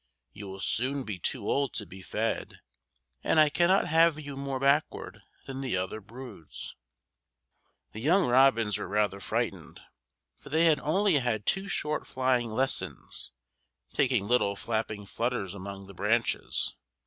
You will soon be too old to be fed, and I cannot have you more backward than the other broods." The young robins were rather frightened, for they had only had two short flying lessons, taking little flapping flutters among the branches.